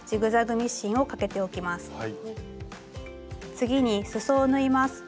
次にすそを縫います。